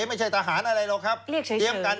ไม่ใช่ทหารอะไรหรอกครับ